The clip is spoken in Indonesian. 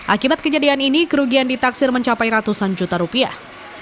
akibat kejadian ini kerugian ditaksir mencapai ratusan juta rupiah